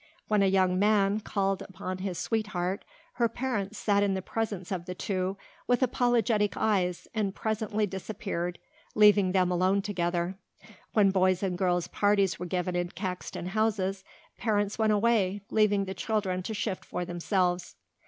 When a young man called upon his sweetheart, her parents sat in the presence of the two with apologetic eyes and presently disappeared leaving them alone together. When boys' and girls' parties were given in Caxton houses, parents went away leaving the children to shift for themselves.